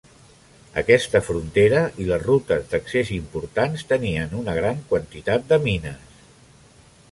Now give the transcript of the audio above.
Aquesta frontera i les rutes d'accés importants tenien una gran quantitat de mines.